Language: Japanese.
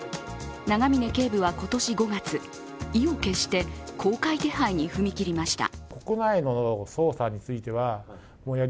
永峰警部は今年５月、意を決して公開手配に踏み切りました。